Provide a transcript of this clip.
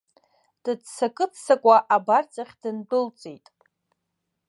Дыццакы-ццакуа абарҵахь дындәылҵит.